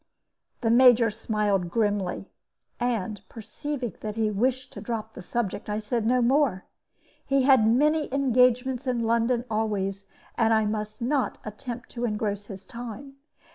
The Major smiled grimly, and, perceiving that he wished to drop the subject, I said no more. He had many engagements in London always, and I must not attempt to engross his time.